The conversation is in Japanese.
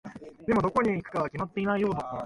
でも、どこに行くかは決まっていないようだった。